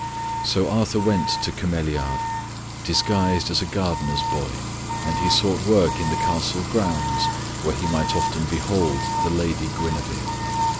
So Arthur went to Cameliard disguised as a gardener's boy, and he sought work in the castle grounds where he might often behold the Lady Guinevere.